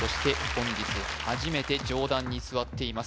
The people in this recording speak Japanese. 本日初めて上段に座っています